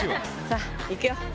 さぁ行くよ。